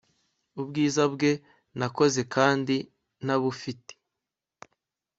Ubwiza bwe nakoze kandi ntabufite